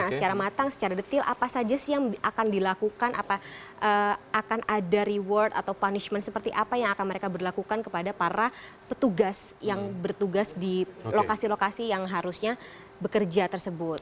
secara matang secara detail apa saja sih yang akan dilakukan apa akan ada reward atau punishment seperti apa yang akan mereka berlakukan kepada para petugas yang bertugas di lokasi lokasi yang harusnya bekerja tersebut